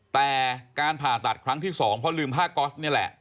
แต่การผ่าตัดครั้งที่๒เพราะลืมผ้าก๊อสนี่แหละ